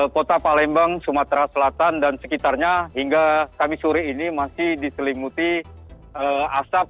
kota palembang sumatera selatan dan sekitarnya hingga kami sore ini masih diselimuti asap